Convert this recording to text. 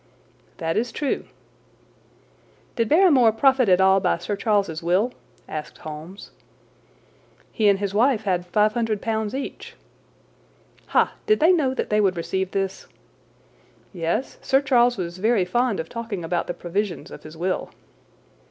"That is true." "Did Barrymore profit at all by Sir Charles's will?" asked Holmes. "He and his wife had five hundred pounds each." "Ha! Did they know that they would receive this?" "Yes; Sir Charles was very fond of talking about the provisions of his will."